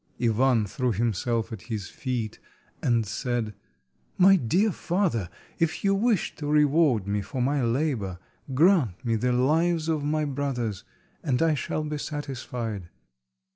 Ivan threw himself at his feet, and said— "My dear father, if you wish to reward me for my labour, grant me the lives of my brothers, and I shall be satisfied."